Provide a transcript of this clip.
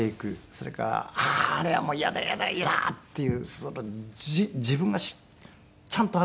それからあああれはもう嫌だ嫌だ嫌！っていう自分がちゃんとあるんだね。